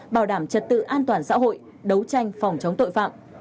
bảo đảm trật tự an toàn xã hội đấu tranh phòng chống tội phạm